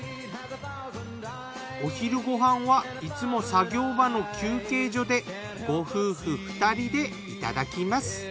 お昼ご飯はいつも作業場の休憩所でご夫婦２人でいただきます。